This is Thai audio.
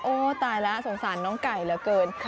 โอ้ตายละสงสารน้องไก่เหลือเกิน